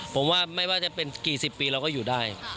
ผมว่าไม่ว่าจะเป็นกี่สิบปีเราก็อยู่ได้